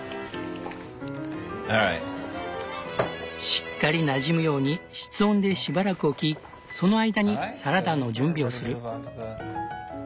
しっかりなじむように室温でしばらくおきその間にサラダの準備をする。